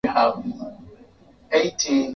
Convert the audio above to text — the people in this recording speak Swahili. haya ni mabadiliko makubwa sana